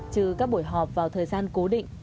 trừ các buổi họp vào thời gian cố định